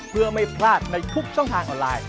เพื่อไม่พลาดในทุกช่องทางออนไลน์